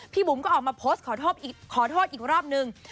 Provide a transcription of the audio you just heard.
บุ๋มก็ออกมาโพสต์ขอโทษอีกรอบนึง